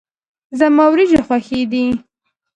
زما وريجي خوښي دي.